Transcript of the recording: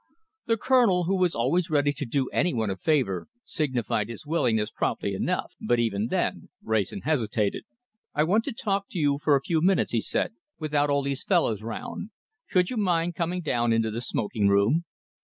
The Colonel, who was always ready to do any one a favour, signified his willingness promptly enough. But even then Wrayson hesitated. "I want to talk to you for a few minutes," he said, "without all these fellows round. Should you mind coming down into the smoking room?"